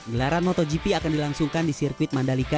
gelaran motogp akan dilangsungkan di sirkuit mandalika